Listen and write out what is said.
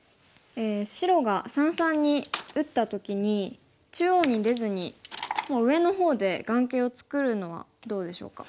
白が三々に打った時に中央に出ずにもう上の方で眼形を作るのはどうでしょうか。